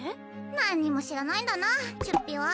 なんにも知らないんだなチュッピは。